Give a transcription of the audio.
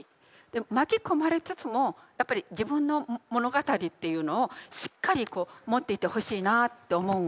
巻き込まれつつもやっぱり「自分の物語」っていうのをしっかり持っていてほしいなって思うんですよ。